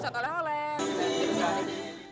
ada peserta oleh oleh